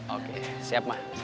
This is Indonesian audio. oke siap ma